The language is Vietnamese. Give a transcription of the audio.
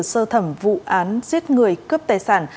sơ thẩm vụ án giết người cướp tài sản